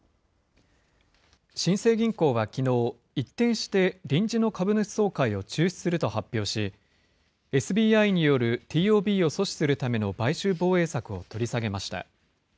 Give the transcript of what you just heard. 新生銀行はきのう、一転して、臨時の株主総会を中止すると発表し、ＳＢＩによるＴＯＢを阻止するための買収防衛策を取り下げました。